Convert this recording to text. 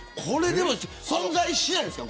存在しないんですか